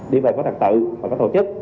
đi về có đặc tự và có tổ chức